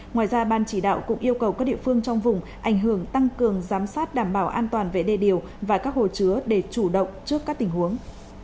ngoài ra ban chỉ đạo cũng yêu cầu các địa phương trong vùng ảnh hưởng tăng cường giám sát đảm bảo an toàn vệ đê điều và các hồ chứa để chủ động trước các tình huống